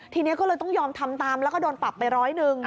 ทีนี้ก็เลยต้องยอมทำตามแล้วก็โดนปรับไปร้อยหนึ่ง